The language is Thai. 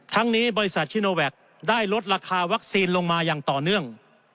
นี้บริษัทชิโนแวคได้ลดราคาวัคซีนลงมาอย่างต่อเนื่อง